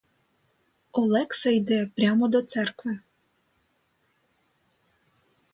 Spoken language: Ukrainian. Олекса йде прямо до церкви.